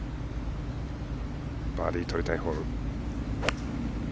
バーディー取りたいホール。